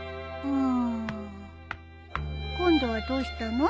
うーん。今度はどうしたの？